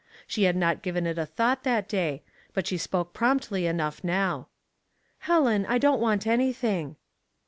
She had not given it a thought that day, but she spoke promptly enough now. " Helen, I don't want anything.'